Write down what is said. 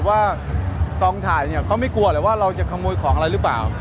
ว่าท้องถ่ายเนี่ยไม่กลัวหรือว่าเราจะขโมยของอะไรค่ะ